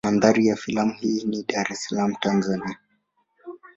Mandhari ya filamu hii ni Dar es Salaam Tanzania.